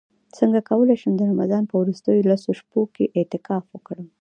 څنګه کولی شم د رمضان په وروستیو لسو شپو کې اعتکاف وکړم